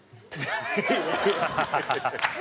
ハハハハ！